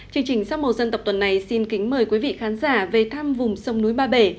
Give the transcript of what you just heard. chương trình sắp màu dân tộc tuần này xin kính mời quý vị khán giả về thăm vùng sông núi ba bể